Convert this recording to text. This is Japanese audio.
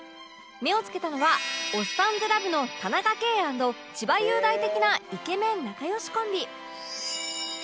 目を付けたのは『おっさんずラブ』の田中圭＆千葉雄大的なイケメン仲良しコンビ